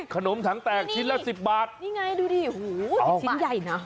ขนมถังแตกชิ้นละ๑๐บาทนี่ไงดูดิโอ้โหชิ้นใหญ่นะ